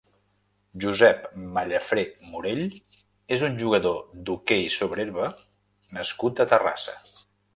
Josep Mallafré Morell és un jugador d'hoquei sobre herba nascut a Terrassa.